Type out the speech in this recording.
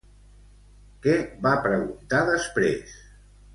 Què va preguntar després?